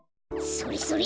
それそれ！